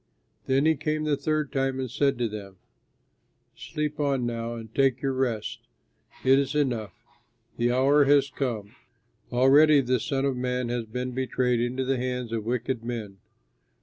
Then he came the third time and said to them, "Sleep on now and take your rest. It is enough; the hour has come; already the Son of Man has been betrayed into the hands of wicked men.